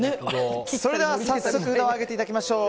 それでは早速札を上げていただきましょう。